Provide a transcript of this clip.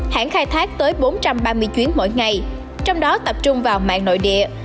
hãng khai thác tới bốn trăm ba mươi chuyến mỗi ngày trong đó tập trung vào mạng nội địa